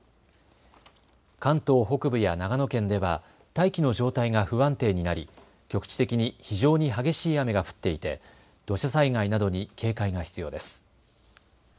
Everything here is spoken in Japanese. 関東北部や長野県では大気の状態が不安定になり局地的に非常に激しい雨が降っていて土砂災害などに警戒が必要です。